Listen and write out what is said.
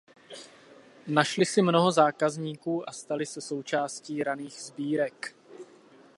Našli si mnoho zákazníků a stali se součástí raných sbírek.